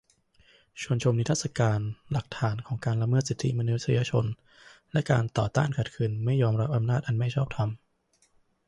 ชวนชมนิทรรศการหลักฐานของการละเมิดสิทธิมนุษยชน และการต่อต้านขัดขืนไม่ยอมรับอำนาจอันไม่ชอบธรรม